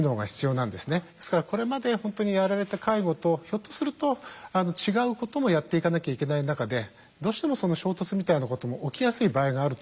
ですからこれまで本当にやられた介護とひょっとすると違うこともやっていかなきゃいけない中でどうしても衝突みたいなことも起きやすい場合があると思っています。